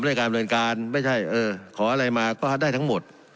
การบริเวณการไม่ใช่เออขออะไรมาก็ได้ทั้งหมด